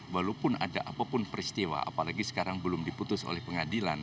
walaupun ada apapun peristiwa apalagi sekarang belum diputus oleh pengadilan